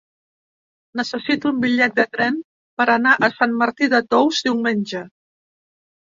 Necessito un bitllet de tren per anar a Sant Martí de Tous diumenge.